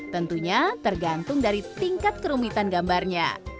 tentunya tergantung dari tingkat kerumitan gambarnya